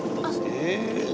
え！